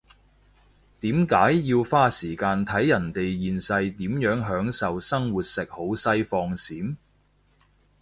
點解要花時間睇人哋現世點樣享受生活食好西放閃？